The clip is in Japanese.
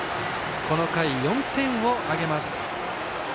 この回、４点を挙げます。